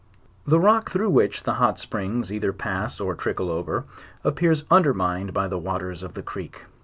The rock through which the hot springs either pass or trickle over, appears undermined by the waters of the creek.